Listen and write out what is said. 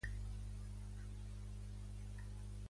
Dijous en Guiu irà a la Serra d'en Galceran.